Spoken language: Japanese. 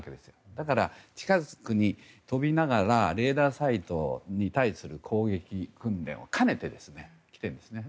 だから近くに飛びながらレーダーサイトに対する訓練を兼ねているんですね。